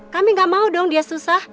kami gak mau dong dia susah